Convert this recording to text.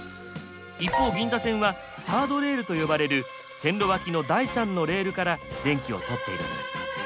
一方銀座線はサードレールと呼ばれる線路脇の第３のレールから電気をとっているんです。